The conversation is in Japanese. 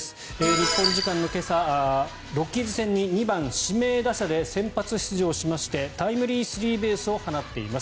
日本時間の今朝、ロッキーズ戦に２番指名打者で先発出場しましてタイムリースリーベースを放っています。